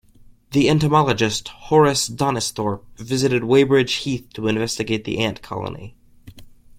The entomologist, Horace Donisthorpe, visited Weybridge Heath to investigate the ant colony.